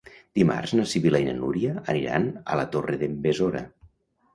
Dimarts na Sibil·la i na Núria aniran a la Torre d'en Besora.